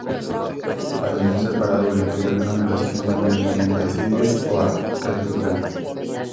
Al no ser parada obligatoria algunas relaciones van directamente a Sitges o a Castelldefels.